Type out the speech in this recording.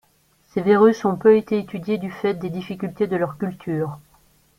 Ces virus ont peu été étudiés du fait des difficultés de leur culture.